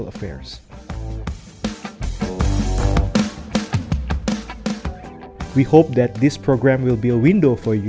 kami berharap program ini akan menjadi pintu untuk anda